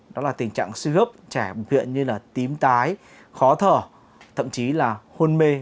đó là tình trạng suy gấp trẻ biểu hiện như là tím tái khó thở thậm chí là hôn mê